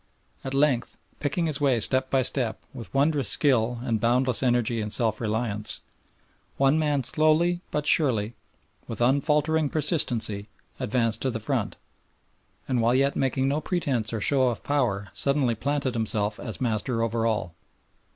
At length, picking his way step by step with wondrous skill and boundless energy and self reliance, one man slowly but surely, with unfaltering persistency, advanced to the front, and while yet making no pretence or show of power suddenly planted himself as master over all.